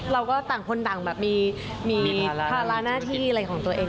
เราก็ต่างคนต่างแบบมีภาระหน้าที่อะไรของตัวเอง